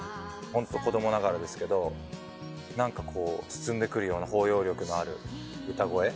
ホント子供ながらですけど包んでくるような包容力のある歌声。